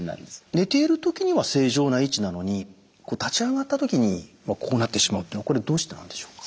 寝ている時には正常な位置なのに立ち上がった時にこうなってしまうっていうのはこれどうしてなんでしょうか。